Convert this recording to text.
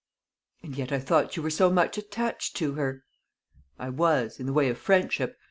"And yet I thought you were so much attached to her." "I was in the way of friendship.